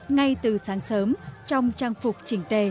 ngay từ sáng sớm trong trang phục chỉnh tề